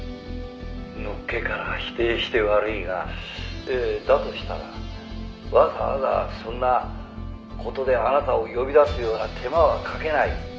「のっけから否定して悪いがだとしたらわざわざそんな事であなたを呼び出すような手間はかけない」